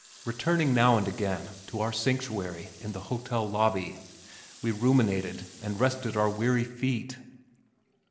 Returning now and again to our sanctuary in the hotel lobby we ruminated and rested our weary feet.